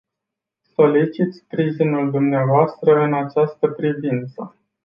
Solicit sprijinul dumneavoastră în această privință.